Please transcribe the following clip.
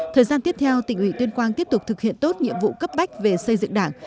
thời gian tiếp theo tỉnh ủy tuyên quang tiếp tục thực hiện tốt nhiệm vụ cấp bách về xây dựng đảng